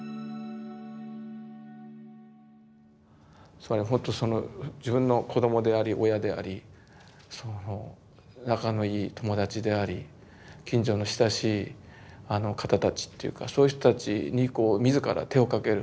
つまりほんとその自分の子どもであり親であり仲のいい友達であり近所の親しい方たちっていうかそういう人たちに自ら手をかける。